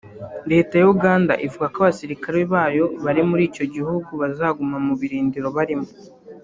Leta ya Uganda ivuga ko abasirikare bayo bari muri icyo gihugu bazaguma mu birindiro barimo